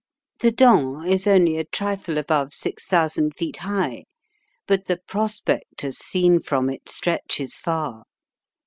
The Dent is only a trifle above six thousand feet high, but the prospect as seen from it stretches far.